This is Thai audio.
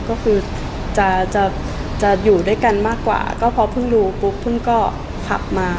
ก็คือจะจะอยู่ด้วยกันมากกว่าก็พอเพิ่งรู้ปุ๊บพึ่งก็ขับมา